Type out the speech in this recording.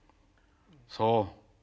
そう。